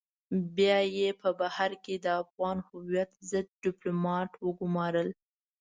بيا يې په بهر کې د افغان هويت ضد ډيپلومات وگمارل.